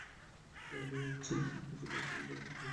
আমি একজনকে খুঁজে বের করবো, যাকে কোহিনূর দেওয়ার কথা ছিল।